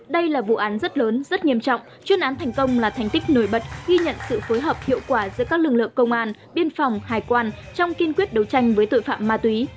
đây là vụ án rất lớn rất nghiêm trọng chuyên án thành công là thành tích nổi bật ghi nhận sự phối hợp hiệu quả giữa các lực lượng công an biên phòng hải quan trong kiên quyết đấu tranh với tội phạm ma túy